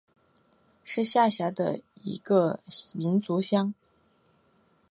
是下辖的一个民族乡。